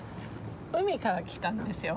海から来たんですよ